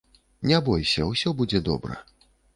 Не бойся, усё будзе добра.